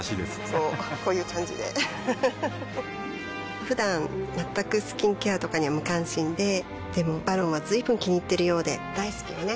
こうこういう感じでうふふふだん全くスキンケアとかに無関心ででも「ＶＡＲＯＮ」は随分気にいっているようで大好きよね